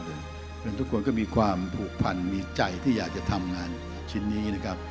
เพราะฉะนั้นทุกคนก็มีความผูกพันมีใจที่อยากจะทำงานชิ้นนี้นะครับ